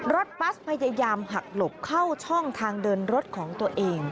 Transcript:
บัสพยายามหักหลบเข้าช่องทางเดินรถของตัวเอง